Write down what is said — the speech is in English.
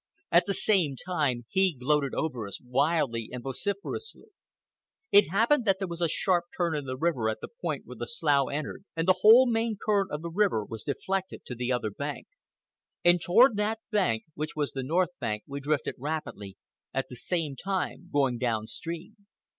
At the same time he gloated over us, wildly and vociferously. It happened that there was a sharp turn in the river at the point where the slough entered, and the whole main current of the river was deflected to the other bank. And toward that bank, which was the north bank, we drifted rapidly, at the same time going down stream.